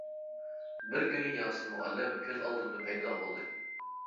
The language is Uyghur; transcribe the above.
بىر كۈنى ياسىن مۇئەللىم كۆز ئالدىمدا پەيدا بولدى.